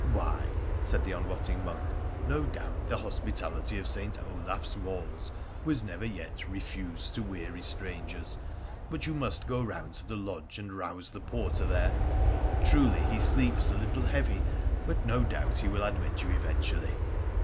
' Why,' said the unwotting monk, ' no doubt the hospi tality of St. Olaf's walls was never yet refused to weary strangers, but you must go round to the lodge and rouse the porter there — truly he sleeps a little heavy, but no doubt he will admit you eventually.'